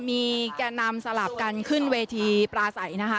มีแก่นำสลับกันขึ้นเวทีปลาใสนะคะ